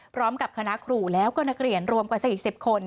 พร้อมกับคณะครูแล้วก็นักเรียนรวมกว่า๔๐คน